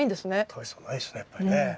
大差はないですねやっぱりね。